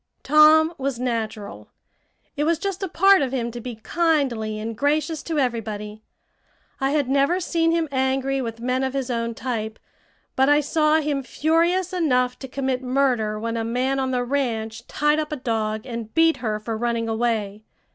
Tom was natural. It was just a part of him to be kindly and gracious to everybody. I had never seen him angry with men of his own type, but I saw him furious enough to commit murder when a man on the ranch tied up a dog and beat her for running away.